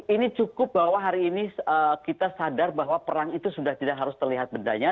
ini cukup bahwa hari ini kita sadar bahwa perang itu sudah tidak harus terlihat bedanya